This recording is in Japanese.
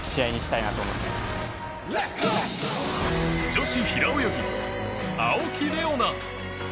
女子平泳ぎ、青木玲緒樹。